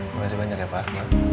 makasih banyak ya pak